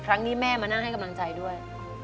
ครั้งนี้แม่มานั่งให้กำลังใจด้วย